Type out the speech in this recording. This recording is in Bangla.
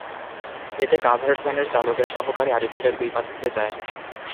এতে কাভার্ড ভ্যানের চালকের সহকারী আরিফুলের দুই পা থেঁতলে যায়।